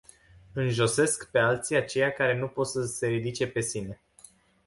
Înjosesc pe alții aceia care nu pot să se ridice pe sine.